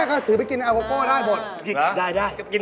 ขอบคุณพระอาจารย์ตั้ง๓ท่านด้วย